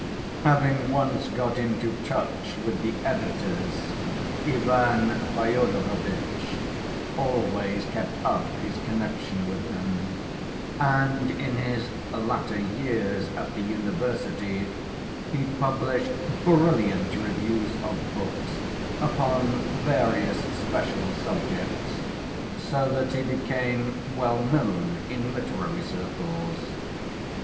Having once got into touch with the editors Ivan Fyodorovitch always kept up his connection with them, and in his latter years at the university he published brilliant reviews of books upon various special subjects, so that he became well known in literary circles.